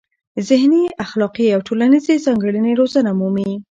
ذهني، اخلاقي او ټولنیزې ځانګړنې روزنه مومي.